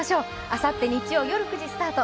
あさって日曜夜９時スタート